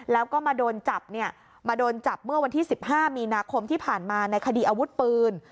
แล้วก็มาโดนจับเนี่ยมาโดนจับเมื่อวันที่๑๕มีนาคมที่ผ่านมาในคดีอาวุธปืน